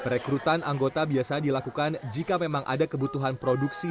rekrutan anggota biasa dilakukan jika memang ada kebutuhan produksi